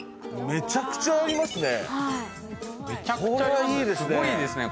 めちゃくちゃありますね。